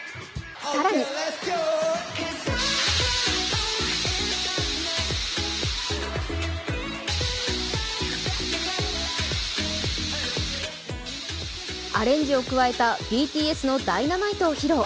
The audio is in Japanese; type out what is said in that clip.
更にアレンジを加えたＢＴＳの「Ｄｙｎａｍｉｔｅ」を披露。